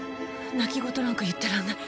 泣き言なんか言ってらんない